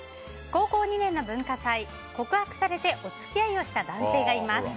高校２年の文化祭告白されてお付き合いをした男性がいます。